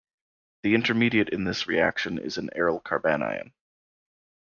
The intermediate in this reaction is an aryl carbanion.